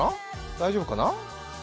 大丈夫かな？